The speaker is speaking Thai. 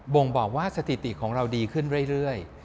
่งบอกว่าสถิติของเราดีขึ้นเรื่อย